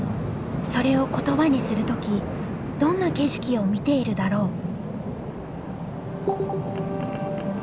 それを言葉にする時どんな景色を見ているだろう？